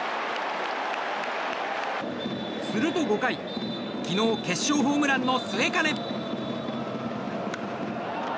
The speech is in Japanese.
すると５回昨日、決勝ホームランの末包。